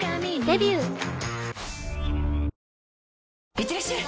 いってらっしゃい！